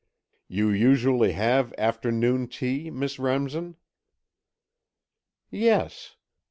"You usually have afternoon tea, Miss Remsen?" "Yes.